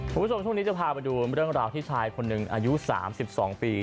คุณผู้ชมช่วงนี้จะพาไปดูเรื่องราวที่ชายคนหนึ่งอายุ๓๒ปี